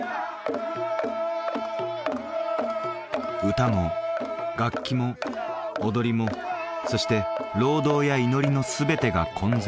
歌も楽器も踊りもそして労働や祈りの全てが混然